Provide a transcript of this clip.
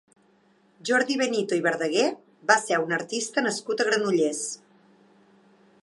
Jordi Benito i Verdaguer va ser un artista nascut a Granollers.